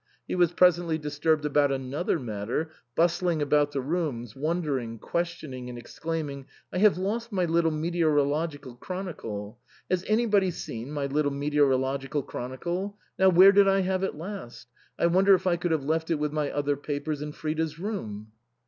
He was presently disturbed about another matter, bustling about the room, wondering, questioning, and exclaiming, "I have lost my little meteorological chronicle. Has anybody seen my little meteorological chronicle? Now, where did I have it last ? I wonder if I could have left it with my other papers in Frida's room?"